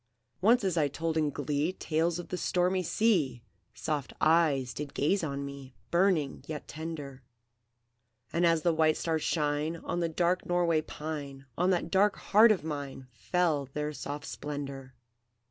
"Once as I told in glee Tales of the stormy sea, Soft eyes did gaze on me, Burning yet tender; And as the white stars shine On the dark Norway pine, On that dark heart of mine Fell their soft splendour.